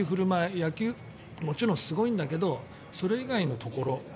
野球ももちろんすごいんだけどそれ以外のところ。